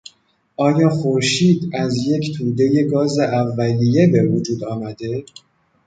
آیا خورشید از یک تودهی گاز اولیه به وجود آمده؟